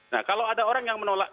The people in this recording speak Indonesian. nah kalau ada orang yang menolak